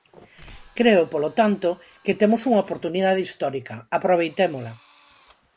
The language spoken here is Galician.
Creo, polo tanto, que temos unha oportunidade histórica, aproveitémola.